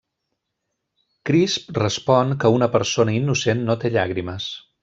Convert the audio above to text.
Crisp respon que una persona innocent no té llàgrimes.